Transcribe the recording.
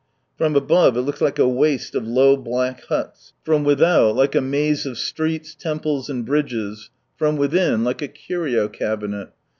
From above it looks like a waste of low black huts, from without, like a maze of streets, temples, and bridges, from within, like a curio cabinet.